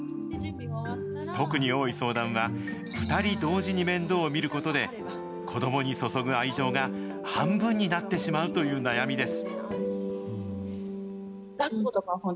特に多い相談は、２人同時に面倒を見ることで、子どもに注ぐ愛情が半分になってしまうという悩みです。